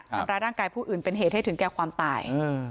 ทำร้ายร่างกายผู้อื่นเป็นเหตุให้ถึงแก่ความตาย